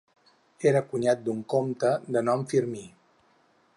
Era cunyat d'un comte de nom Firmí.